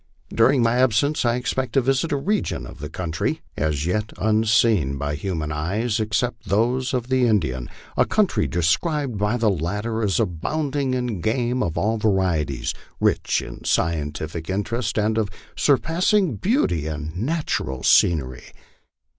During my absence I expect to visit a region of coun try as yet unseen by human eyes, except those of the Indian a country de scribed by the latter as abounding in game of all varieties, rich in scientific interest, and of surpassing beauty in natural scenery.